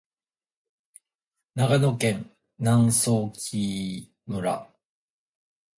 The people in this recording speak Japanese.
長野県南相木村